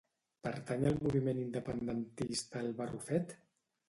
Pertany al moviment independentista el Barrufet?